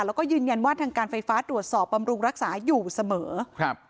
แล้วก็ยืนยันว่าทางการไฟฟ้าตรวจสอบบำรุงรักษาอยู่เสมอครับ